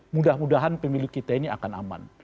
mudah mudahan pemilu kita ini akan aman